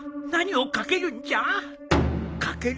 何をかけるんじゃ？